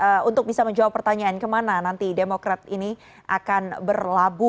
dan pertanyaan untuk bisa menjawab pertanyaan kemana nanti demokrat ini akan berlangsung